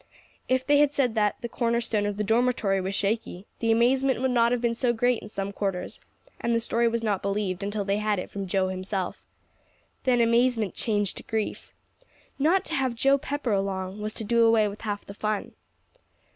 If they had said that the corner stone of the dormitory was shaky, the amazement would not have been so great in some quarters; and the story was not believed until they had it from Joe himself. Then amazement changed to grief. Not to have Joe Pepper along, was to do away with half the fun.